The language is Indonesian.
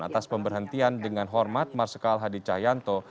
atas pemberhentian dengan hormat marsikal hadi cahyanto